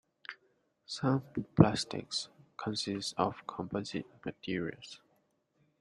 Some plastics consist of composite materials.